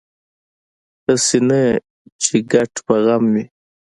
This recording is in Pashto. هسې نه چې ګډ په غم وي